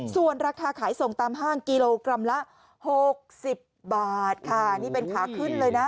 ส่วนราคาขายส่งตามห้างกิโลกรัมละหกสิบบาทค่ะนี่เป็นขาขึ้นเลยนะ